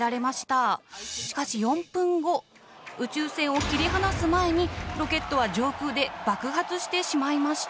しかし４分後宇宙船を切り離す前にロケットは上空で爆発してしまいました。